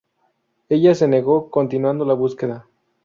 Ella se negó, continuando la búsqueda.